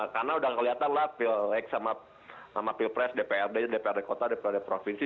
karena udah kelihatan lah pil lek sama pilpres dprd dprd kota dprd provinsi